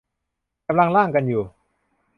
กำลังร่างกันอยู่